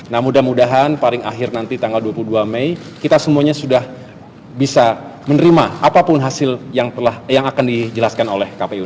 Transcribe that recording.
nah mudah mudahan paling akhir nanti tanggal dua puluh dua mei kita semuanya sudah bisa menerima apapun hasil yang akan dijelaskan oleh kpu